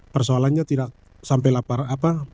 persoalannya tidak sampai lapar apa